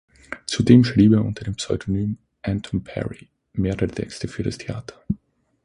Zudem schrieb er unter dem Pseudonym „Anton Perrey“ mehrere Texte für das Theater.